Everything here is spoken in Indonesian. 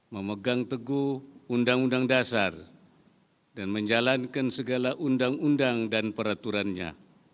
memegang teguh undang undang dasar dan menjalankan segala undang undang dan peraturannya